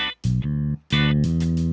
akhirnya yoh belangrijk